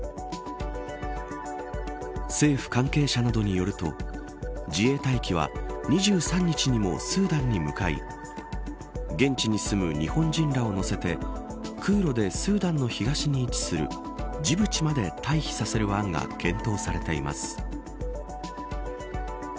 政府関係者などによると自衛隊機は、２３日にもスーダンに向かい現地に住む日本人らを乗せて空路でスーダンの東に位置するジブチまで退避させる案が検討されています。